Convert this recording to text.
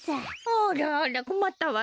あらあらこまったわね。